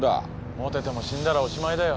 モテても死んだらおしまいだよ。